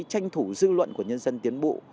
tranh thủ dư luận của nhân dân tiến bộ